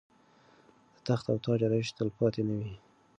د تخت او تاج آرایش تلپاتې نه وي.